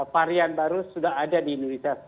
varian baru sudah ada di indonesia